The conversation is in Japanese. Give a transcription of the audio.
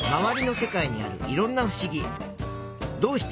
どうして？